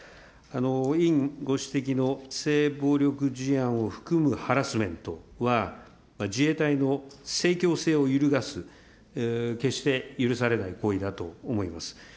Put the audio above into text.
委員ご指摘の性暴力事案を含むハラスメントは、自衛隊のせいきょう性を揺るがす決して許されない行為だと思います。